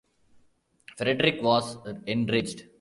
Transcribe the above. Frederick was enraged.